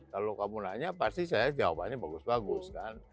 kalau kamu nanya pasti saya jawabannya bagus bagus kan